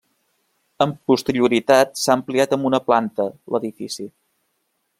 Amb posterioritat s'ha ampliat amb una planta l'edifici.